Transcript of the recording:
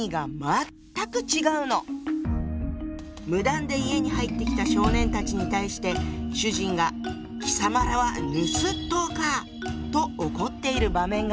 無断で家に入ってきた少年たちに対して主人が「貴様等はぬすっとうか」と怒っている場面があるわ。